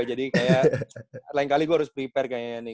jadi kayak lain kali gue harus prepare kayaknya nih